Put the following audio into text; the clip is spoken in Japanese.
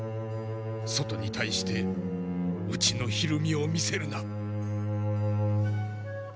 外に対して内のひるみを見せるな。